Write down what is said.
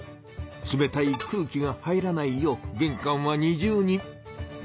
冷たい空気が入らないよう玄関は二重に。